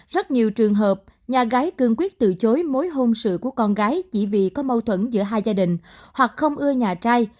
rất nhiều trường hợp nhà gái cương quyết từ chối mối hôn sự của con gái chỉ vì có mâu thuẫn giữa hai gia đình hoặc không ưa nhà trai